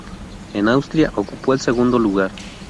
En Austria ocupó el segundo lugar.